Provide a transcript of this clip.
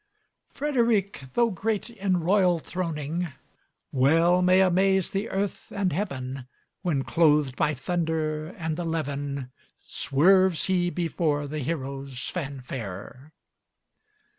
Frederic, though great in royal throning, Well may amaze the earth, and heaven, When clothed by thunder and the levin Swerves he before the hero's fanfare.